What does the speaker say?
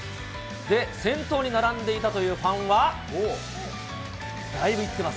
先頭に並んでいたというファンはだいぶいってます。